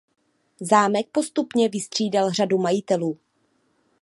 Zámek postupně vystřídal řadu majitelů.